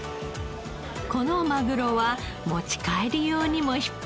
このマグロは持ち帰り用にも引っ張りだこ。